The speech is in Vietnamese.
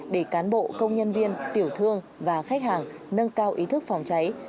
để cán bộ công nhân viên tiểu thương và khách hàng nâng cao ý thức phòng cháy